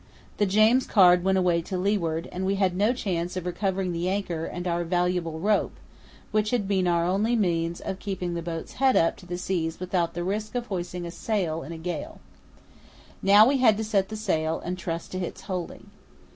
The James Caird went away to leeward, and we had no chance at all of recovering the anchor and our valuable rope, which had been our only means of keeping the boat's head up to the seas without the risk of hoisting sail in a gale. Now we had to set the sail and trust to its holding.